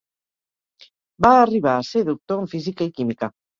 Va arribar a ser Doctor en Física i Química.